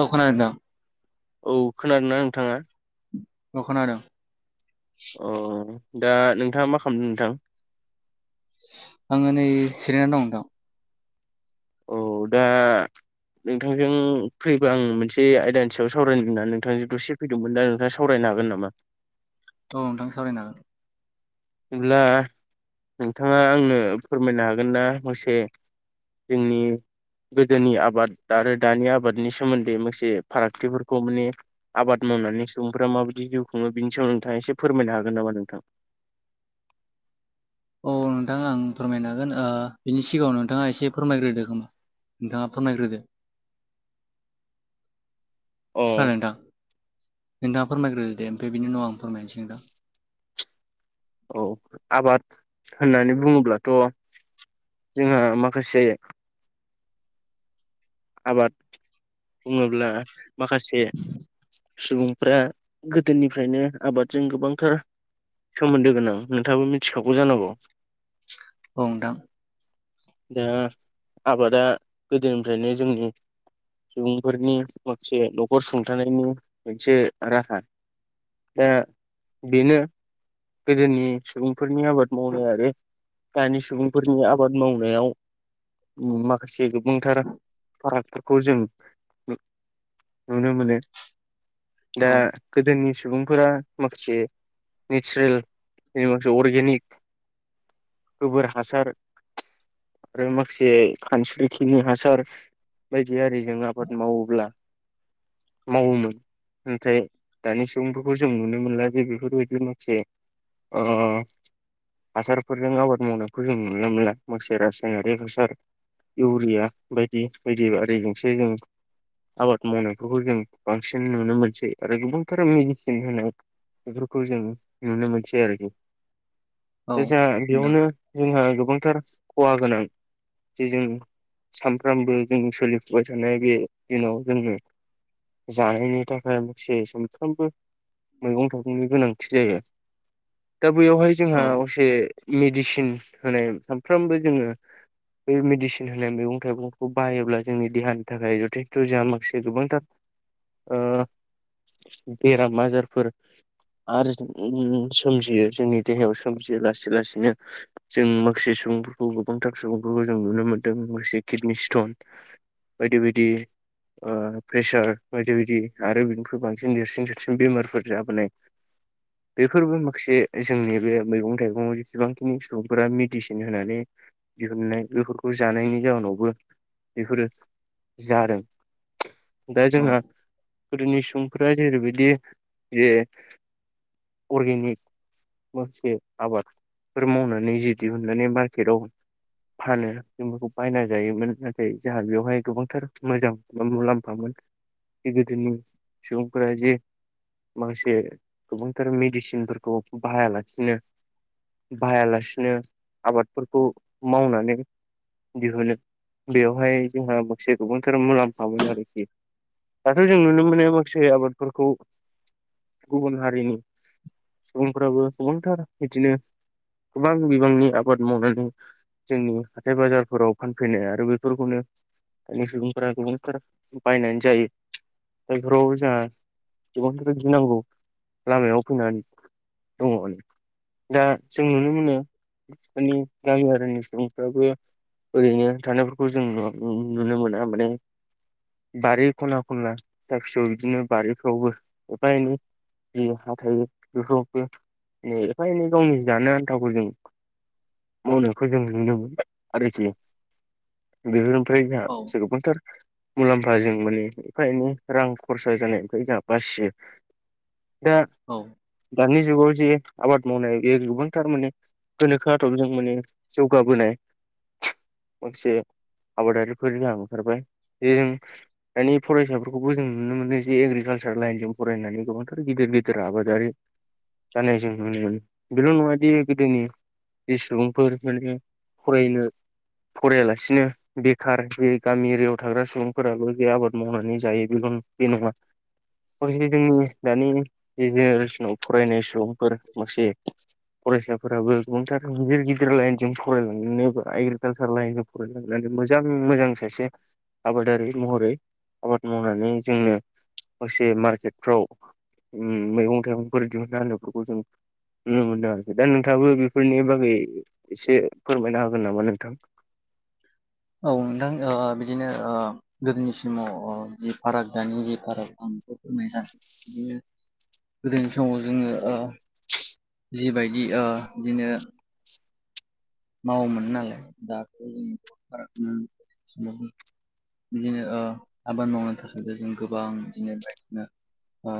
औ खोनादों नोंथां। औ खोनादों ना नोंथाङा? औ खोनादों अ दा नोंथाङा मा खालामदों नोंथां? आङो नै चिरायन दं नोंथां औ दा नोंथांजों फैबो आं मोनसे आयदानि सायाव सावरायनो होननानै नोंथांजों दसे फैदोंमोन दा नोंथां सावरायनो हागोन नामा? औ नोंथां सावरायनो हागोन बिदिब्ला नोंथांङा आंनो फोरमायनो हागोन ना मोसे जोंनि गोदोनि आबाद आरो दानि आबादनि सोमोन्दै मोनसे फारागथिफोरखौ माने आबाद मावनानै सुबुंफ्रा माबायदि जिउ खुंङो बिनि सायाव नोंथांङा एसे फोरमायनो हागोन नामा नोंथां? औ नोंथांङा आं फोरमायनो होन ओ बिनि सिगांङाव नोंथांङा एसे फोरमायग्रोदो उम? नोंथांङा फोरमायग्रोदो? खोनादों अ नोंथां नोंथांङा फोरमायग्रो दे ओमफ्राय बिनि उनाव आं फोरमायनोसै नोंथां। औ आबाद होननानै बुङोब्लाथ' जोंहा माखासे आबाद बुंङोब्ला माखासे सुबुंफ्रा गोदोनिफ्रायनो आबादजों गोबांथार सोमोन्दो गोनां नोंथांङाबो मिथिखागौ जानांगौ। औ नोंथां। दा आबादा गोदोनिफ्रायनो जोंनि सुबुंफोरनि माखासे न'खर सुंथानायनि मोनसे राहा। दा बेनो गोदोनि सुबुंफोरनि आबाद मावनाय आरो दानि सुबुंफोरनि आबाद मावनायाव माखासे गोबांथार फारागफोरखौ जों नुनो मोनो। दा औ गोदोनि सुबुंफोरा माखासे नेचारेल [unintelligible] अर्गेनिक गोबोर हासार आरो माखासे खानस्रिखिनि हासार बायदि आरिजों आबाद मावोब्ला मावोमोन। नाथाय दानि सुबुंफोरखौ जों नुनो मोनला बे बेफोरबायदि माखासे अ हासारफोरजों आबाद मावनायखौ जों नुनो मोनला माखसे रासायनारि हासार इउरिया बायदि बायदि आरारिजोंसो जों आबाद मावनायफोरखौ जों बांसिन नुनो मोनसै आरो गोबांथार मेडिसिन होनायाव बेफोरखौ जों नुनो मोनसै आरोखि। औ दा जों नोंथां बेयावनो जोंहा गोबांथार खहा गोनां जे जों सामफ्रामबो जों सोलिफुबाय थानाय बे दिनाव जोंङो जानायनि थाखाय माखसे सानफ्रामबो मैगं थाइगंनि गोनांथि जायो। दा बैयावहाय जोंहा औ असे मेडिसिन होनाय सानफ्रामबो जोंङो बे मेडिसिन होनाय मेगं मैगं थाइगंखौ बाहायोब्ला जोंनि देहानि थाखाय जथेस्थ' जा माखासे गोबांथार ओ बेराम आजारफोर आरो ओम सोमजियो जोंनि देहायाव सोमजियो लासै लासैनो। जों माखासे सुबुंफोरखौ गोबांथार सुबुंफोरखौ जों नुनो मोन्दों माखासे किडनि स्ट'न बायदि-बायदि ओ प्रेसार बायदि-बायदि आरो बिनिफ्राय बांसिन देरसिन देरसिन बेमारफोर जाबोनाय [inaudible] बेफोरबो माखासे जोंनि बे मैगं थाइगं जेसेबांखिनि सुबुंफोरा मेडिसिन होनानै दिहुननाय बेफोरखौ जानायनि जाउनाव बो बेफोरो जादों। दा औ जोंहा गोदोनि सुबुंफोरा जेरैबायदि जे अर्गेनिक माखासे आबादफोर मावनानै जि दिहुननानै मार्केटाव फानो जों बेखौ बायना जायोमोन नाथाय जोंहा बेवहाय गोबांथार मोजां मुलाम्फामोन। बे गोदि सुबुंफोरा जे माखासे गोबांथार मेडिसिनफोरखौ बाहायालाखनो बाहायालासिनो आबादफोरखौ मावनानै दिहुनो। बेवहाय जोंहा माखासे गोबांथार मुलाम्फामोनो आरोखि। दाथ' जों नुनो मोनो माखासे आबादफोरखौ गुबुन हारिनि सुबुंफ्राबो गोबांथार बिदिनो गोबां बिबांनि आबाद मावनानै जोंनि हाथाय बाजारफोराव फान [unintelligible] आरो बेफोरखौनो दानि सुबुंफोरा गोबांथार बायनानै जायो। जायफोराव जोंहा गोबांग्रो गिनांगौ लामायाव फैनानै। [unintelligible] दा जों नुनो मोनो मानि गामियारिनि सुबुंफ्राबो ओरैनो थानायफोरखौ जों नुवा नु नुनो मोना माने बारि खना खनला दाबसियाव बिदिनो बारिफ्रावबो एफा एनै जि हाथाय बेफोरबो एफा एनै गावनि जानो आन्थाखौ जों मावनायखौ जों नुनो मोन आरोजे बेफोरनिफ्राय जोंहा औ जो गोबांथार मुलाम्फाजों माने एफा एनै रां खरसा जानायनिफ्राय जोङा बासियो। दा औ। दानि जुगाव जे आबाद मावनाय इयो गोबांथार मोने गोनोखो आदबजों माने जौगाबोनाय। माखासे आबादारिफोर जोंहाब ओंखारबाय जे जों दानि फरायसाफोरखौबो जों नुनो मोनो जे एग्रिकालसार लाइनजों फरायनानै गोबांथार गिदिर-गिदिर आबादारि जानाय जों नुनो मोनो। बेल' नङा दि गोदोनि बे सुबुंफोर माने फरायनो फरायालासिनो बेखार बे गामि एरियाव थाग्रा सुबुंफोराबो जे आबाद मावनानै जायो बेल' बे नङा। माखासे जोंनि दानि जेनेरेसनाव फरायनाय सुबुंफोर माखासे फरायसाफोराबो गोबांथार गिदिर-गिदिर लाइनजों फरायलांनो [unintelligible] कालसार लाइनखौ फरायलांनानै मोजां-मोजां सासे आबादारि महरै आबाद मावनानै जोंनो [unintelligible] मार्केटफ्राव ओम मैगं थाइगंफोर दिहुनना आलुखोबो जों नुनो मोनदों आरोखि दा नोंथाबो बेफोरनि बागै एसे फोरमायनो हागोन नामा नोंथां। औ नोंथां बिदिनो ओ गोदोनि समाव अ जि फाराग दानि जि फाराग आं बिखौ फोरमायनो सानो बिदिनो गोदोनि समाव जोङो ओ जिबायदि ओ बिदिनो मावोमोन नालाय दाथ' ओम फाराग ओम-ओम बिदिनो ओ आबाद मावनो थाखाय जों गोबां बिदिनो बायदिना ओ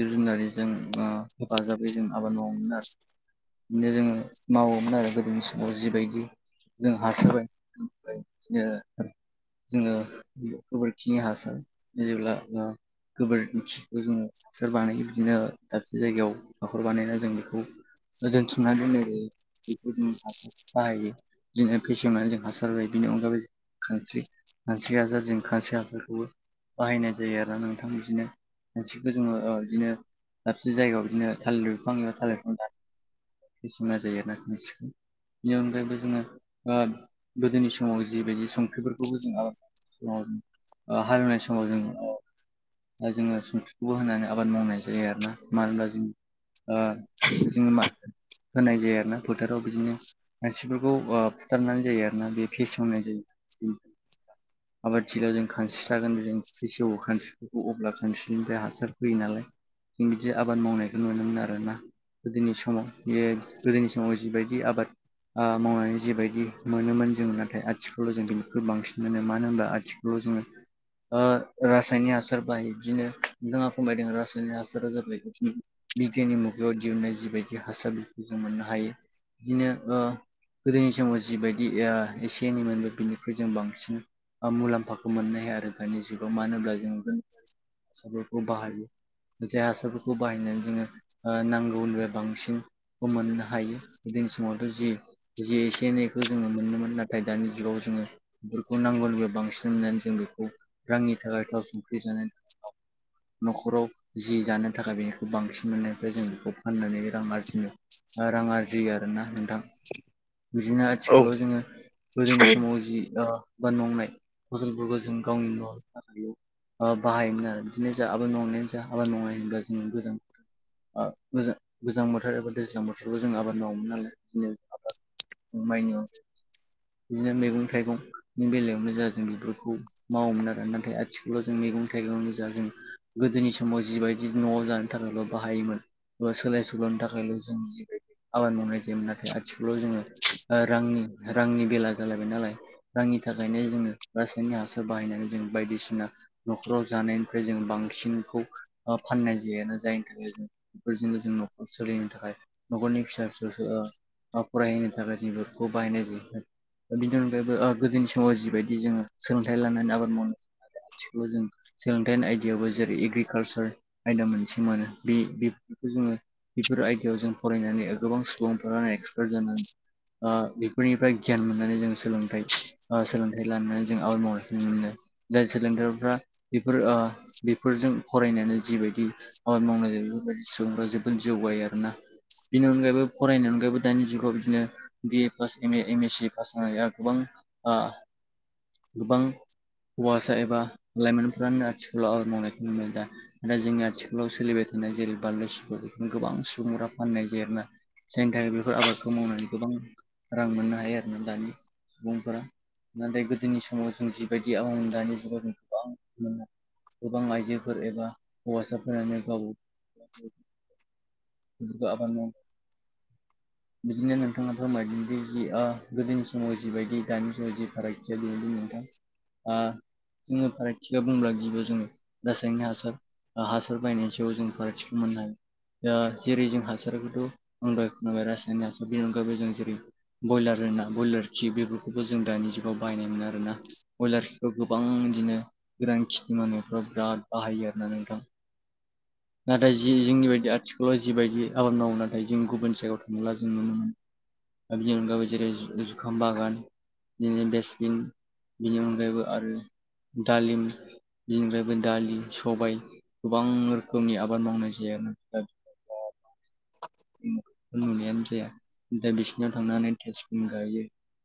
जिब जुनारजों ओ हेफाजाबै जों आबाद मावामोन आरो। बिदिनो जोङो मावोमोन आरो गोदोनि सम जिबायदि जों हासोबाय ओमफ्राय बिदिनो जोङो गोबोरखिनि हासार जेब्ला जो गोबोरखिखौ जोङो सोर बानायो बिदिनो दाबसे जायगायाव हाखर बानाया जों बेखौ दोन्थुमना दोननाय जायो बेखौ जों हासार बाहायो बिदिनो फेसेवनानै जों हासार बायदि बिनि अनगायैबो खानस्रि खानस्रि हासार जों खानस्रि हासारखौबो बाहायनाय जायो आरोना नोंथां बिदिनो खानस्रिखौ जोङो बिदिनो दाबसे जायगायाव बिदिनो थालिर बिफां नो थालिर [unintelligible] बायदिसिना जायो नो [unintelligible] बेनि अनगायैबो जोङो ओ गोदोनि समाव जिबायदि संख्रिफोरखौबो जोङो अम ओ हाल एवनाय समाव जों अ दा जोङो संख्रिखौबो होनानै आबाद मावनाय जायो आरो ना मानो होनब्ला जों ओ जों मा होनाय जायो आरोना फोथाराव बिदिनो मानसिफोरखौ ओ फुथारनानै जायो आरो ना बे फेसेवनाय जायो ओम। आबादथिलियाव जों खानस्रि थागोन जों फेसेवो खानस्रि अब्ला खानस्रिनिफ्राय हासार फैयो नालाय जों बिदि आबाद मावनायखौ नुयोमोन आरोना। गोदोनि समाव बे गोदोनि समाव जिबायदि आबाद मावनानै जेबायदि मोनोमोन जों नाथाय आथिखालाव' जों बेनिख्रइ बांसिन मोनो मानो होनबा आथिखाल रजनो रासायनिक हासार बाहायो बिदिनो नोंथाङा फोरमायदों रासायनिक हासारा जाबाय बिगियाननि मुगायाव दिहुननाय जिबायदि हासारफोरखौ जों मोननो हायो बिदिनो गोदोनि समाव जिबायदि एसे एनै मोनबो बिनिख्र जों बांसिन मुलाम्फाखौ मोननो हाया आरो दानि जुगाव मानो होनब्ला जों [inaudible] हासारफोरखौ बाहायो जाय हासारफोरखौ बाहायनानै जोङो नांगौनिफाय बांसिन मोननो हायो बिदि जि जि एसे एनैखौ जोङो मोनोमोन नाथाय दानि जुगाव जोङो बेफोरखौ नांगौ लोगो बांसिन होननानै जों बेखौ रांनि थाखाय थाव संख्रि जानाय न'खराव जि जानो थाखाय बेनिखौ बांसिन मोननायनिफ्राय जों बेखौ फाननानै रां आरजिनो रां आरजि आरोना नों थां बिदिनो औ आथिखालाव जोङो गोदोनि समाव जि बाद मावंनाय फसलफोरखौ जों गावनि न' बारियाव बाहायोमोन आरो बिदिनो जा आबाद मावनायानो जा आबाद मावनाय होनब्ला जों गोजां गोजा गोजां बोथोर एबा दैज्लां बथोरबो जों आबाद मावोमोन नालाय बिदिनो आबाद माइनि अन [inaudible] बिदिनो मैगं थाइगंनि बेलायावनो जा जों बेफोरखौ मावोमोन आरो नाथाय आथि खालाव जों मैगं थाइगं गोजा जों गोदोनि समाव जिबायदि न'आव जानो थाखायल' बाहायोमोन बा सोलाय सोल'नि थाखायल' जोंदि आबाद मावनाय जायोमोन नाथाय आथिखालाव जोङो रांनि रांनि बेला जालायबाय नालाय रांनि थाखायनो जोङो रासायनिक हासार बाहायनानै जों बायदिसिना न'खराव जानायनिफ्राय जों बांसिनखौ फाननाय जायोना जायनि थाखाय जों बेफोरजोंनो जों न'खर सोलिनो थाखाय न'खरनि फिसा फिसौसो बा फरायहैनो थाखाय जों बेफोरखौ बाहायनाय जायोमोन दा बिनि अनगायैबो गोदोनि समाव जिबायदि जोङो सोलोंथाइ लानानै आबाद मावनो आथिखालाव जों सोलोंथाइनि आयदायावबो जेरै एग्रिकालसार आयदा मोनसे मोनो बे बेफोरखौ जोङो बेफोर आयदायाव जों फरायनानै गोबां सुबुंफोरानो एक्सपार्ट जानानै बेफोरनिफ्राय गियान मोननानै जोंङ सोलोंथाइ सोलोंथाइ लानानै जों आबाद मावनाय नुनो मोनो जाय सोलोंथाइफ्रा बेफोर बेफोरजों फरायनानै जिबायदि दि आबाद मावनाय जों बेफोरबादि सुबुंफोरा जोबोद जौगायो आरोना बेनि अनगायैबो फरायनायनि अनगायैबो दानि जुगाव बिदिनो बिए pass M A M S C pass जानाया गोबां ओ- गोबां हौवासा एबा लाइमोनफ्रानो आथिखालाव आबाद मावनायखौ नु मोनो दा। आरो जोंनि आथिखालाव सोलिबाय थानाय जेरै बानलु सिब्र' बेखौनो गोबां सुबुंफोरा फाननाय जायोना। जोंनि थाखाय बेफोर आबादखौ मावनानै गोबां रां मोननो हायो आरोना दानि सुबुंफोरा नाथाय गोदोनि समाव जों जिबायदि आबाद मावमोन दानि जुगाव जों गोबां मोनो गोबां आइजोफोर एबा हौवासाफोरानो गाव बो आबाद माव बिदिनो नोंथाङाथ' होनबायदि जि गोदोनि समाव जिबायदि दानि समाव जि फारागथिया बेबायदि नोंथां। जोङो फारागथियाव बुंब्ला गिबो जोङो रासायना हासार हासार बायनायनि सायाव जों फारागथिखौ मोनो दा जेरै जों हासारखौथ' होनबा नुबाय रासायना बे नि अनगाबो जों जेरै बयलार होना बयलार खि बेफोरखौबो जों दानि जुगाव बायनायमोन आरोना बयलारखौ गोबां बिदिनो गोरान खिथि मावनायफ्राव बिराद बाहायो आर ना नोंथां। नाथाय जि जोंनि बायदि आथिखालाव जिबायदि आबाद मावो नाथाय जों गुबुन जायगायाव खला जों नुनो मोनो आरो बिनि अनगायै जेरै जु-जुखाम बागान बिदिनो बेसबिन बिनि अनगायैबो आरो दालिम बिनिफ्रायबो दालि सबाय गोबां रोखोमनि आबाद मावनाय जाय [unintelligible] [unintelligible] नुनायानो जाया दा बिसिनिाव थांनानै तेजफन गायो।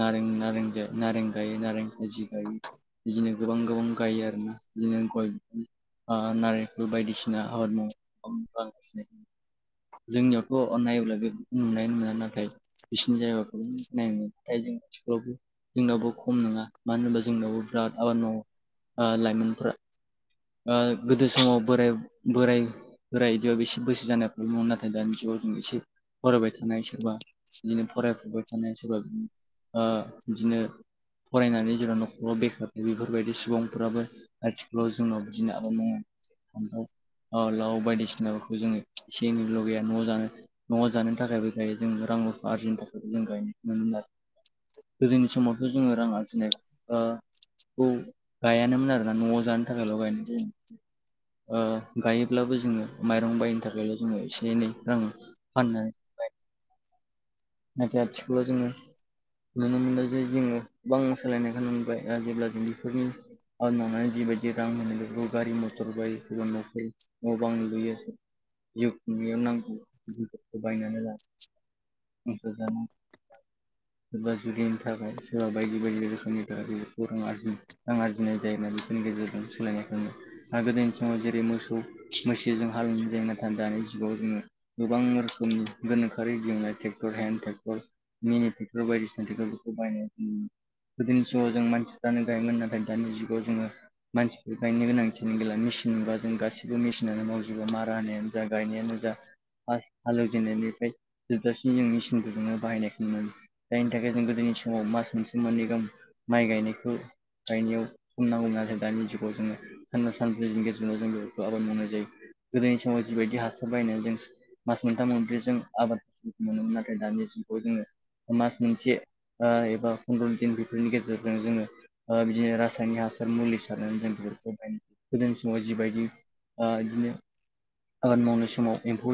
नारें नारें गायो नारें खाजि गायो। बिदिनो गोबां गोबां गायो आरो ना बिदिनो गय बि - ओ-नारेंखल बायदिसिना आबाद मावांगासिनो जोंनियावथ' नायोब्ला बे नुनाय मोना नाथाय बिसोरनि जायगाखौ नायो [unintelligible] जों आथिखालावबो जोंनावबो खम नङा मानो होनबा जोंनावबो बिराद आबाद मावो लाइमोनफ्रा ओ-गोदो समाव बोराइ बोराय बोराय बिदियाव एसे बोसो जानायफोर नाथाय दानि ज एसे फरायबाय थानाय सोरबा बिदिनो फरायफुबबाय थानाय सोरबा ओ- बिदिनो फरायनानै जेराव न'खराव बेखार थायो बेफोरबायदि सुबुंफोराबो आथिखालाव जोंनाव बिदिनो आाबाद मावो फान्थाव लाव बायदिसिनाफोरखौ जोङो एसे एनै लगैया न' जानो न'आव जानो थाखायबो गायो जों रां रुफा आरजिनो थाखायबो जों गायनाय [unintelligible] आरो गोदोनि समाव नो जोङो रां आर्जिनाय ओ- गायानोमोन आरोना न'आव जानो थाखायल' गायनाय जायोमोन। ओ-गायोब्लाबो जोङो माइरं बायनो थाखायल' जोङो एसे एनै रां फाननानै नाथाय आथिखालाव जोङो नुनो मोनदों जे जोङो गोबां सोलायनायखौ नुुबबाय आरो जेब्ला जों बेफोरनि आरो ननानै जिबायदि रां मोनो बे गारि मथर [unintelligible] न' बां लुयो जिव नांगौ बायनानै लानो जानो [unintelligible] सोरबा जुलिनि थाखाय सोरबा बायदि बायदि रोखोमनि थाखाय बेखौ रां आरजि रां आरजिनाय जायोना बेफोरनि गेजेरजों सोलायनायखौ मोनो आरो गोदोनि समाव जेरै मोसौ मैसोजों हाल जायोना दानि जुगाव जोङो गोबां रोखोमनि गोनोखोआरि दिहुनाय ट्रेक्टर हेन्द ट्रेक्टर मिनि ट्रेटर बायदिना रटेक्टरखौ बायनाय गोदोनि सम जों मानसिफ्रानो गायोमोन नाथाय दानि जुगाव जोङो मानसिफोर गायनो गोनांथिनि गैला मेसिन नबा जों गाससिबो मेसिनानो मावजोबो मारा होन जा गायनायानो जा फार्स्ट हालेवजेननायनिफ्राय जोबजासि बि जों मेसिनखौ जजोंनो बाहायनायखौ मोनो। जायनि थाखाय जों गोदोनि समाव मास मोनसे मोननैगाम माइ गायनायखौ जायनायाव बुंनांगौमोनथाय दानि जुगाव जोङो सान सानब्रैनि गेजेरजों जोङो आबाद मावनाय जायो गोदोनि समाव जिबायदि हासार बायनाय जों मास मोनथाम मोनब्र जों आबाद मोनोमोन नाथाय दानि जुनआव जोङो मास मोनसे ओ-एबा फन्द्र दिन बेफोरनि गेजेरजों जोङो ओ-बिदिनो रासायनिक हासार मुलि सारनानै जों बेफोरखौ बायनोस गोदोनि समाव जिबायदि ओ-बिदिनो आबाद मावनाय समाव एम्फौ